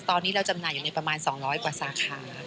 ตอนนี้เราจำหน่ายอยู่ในประมาณ๒๐๐กว่าสาขา